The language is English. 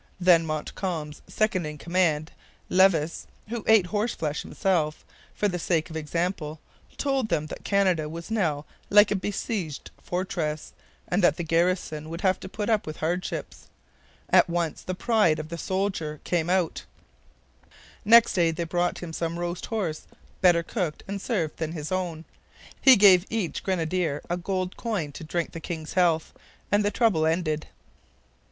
Then Montcalm's second in command, Levis, who ate horse flesh himself, for the sake of example, told them that Canada was now like a besieged fortress and that the garrison would have to put up with hardships. At once the pride of the soldier came out. Next day they brought him some roast horse, better cooked and served than his own. He gave each grenadier a gold coin to drink the king's health; and the trouble ended.